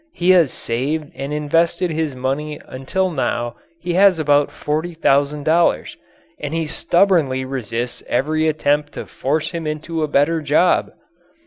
He has saved and invested his money until now he has about forty thousand dollars and he stubbornly resists every attempt to force him into a better job!